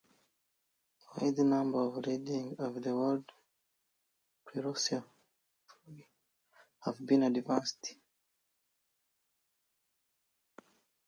A wide number of reading of the word "plerosai", fulfil, have been advanced.